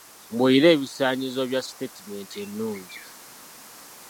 Mbuulira ebisaanyizo bya sitaatimenti ennungi.